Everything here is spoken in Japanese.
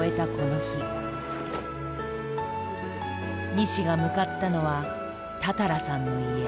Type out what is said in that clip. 西が向かったのは多々良さんの家。